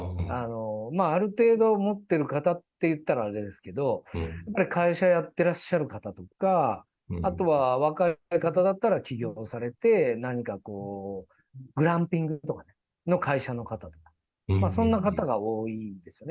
ある程度持ってる方って言ったらあれですけど、会社やってらっしゃる方とか、あとは若い方だったら、起業されて、何か、グランピングとかの会社の方とか、そんな方が多いですよね。